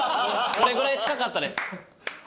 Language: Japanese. これぐらい近かった？